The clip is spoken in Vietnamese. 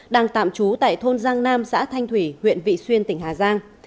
đang tạm trú tại thôn giang nam xã thanh thủy huyện vị xuyên tỉnh hà giang